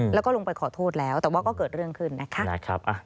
แล้วก็ลงไปขอโทษแล้วแต่ว่าก็เกิดเรื่องขึ้นนะคะ